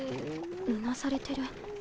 うなされてる。